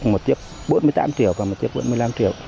một chiếc bốn mươi tám triệu và một chiếc bốn mươi năm triệu